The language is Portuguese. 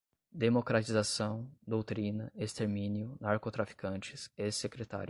democratização, doutrina, extermínio, narcotraficantes, ex-secretário